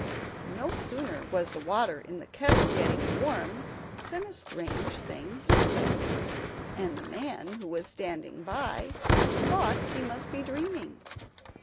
No sooner was the water in the kettle getting warm than a strange thing happened, and the man, who was standing by, thought he must be dreaming.